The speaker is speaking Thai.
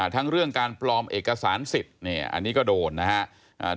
ทั้งเรื่องการปลอมเอกสารสิทธิ์เนี่ยอันนี้ก็โดนนะครับ